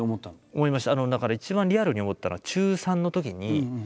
思いました。